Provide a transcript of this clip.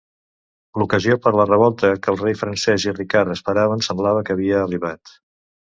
L'ocasió per la revolta que el rei francès i Ricard esperaven semblava que havia arribat.